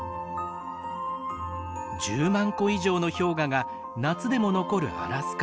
１０万個以上の氷河が夏でも残るアラスカ。